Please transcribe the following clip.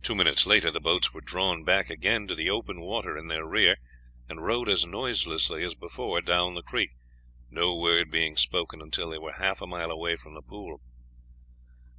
Two minutes later the boats were drawn back again to the open water in their rear, and rowed as noiselessly as before down the creek, no word being spoken until they were half a mile away from the pool.